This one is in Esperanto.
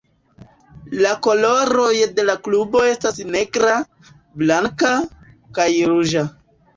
La koloroj de la klubo estas negra, blanka, kaj ruĝa.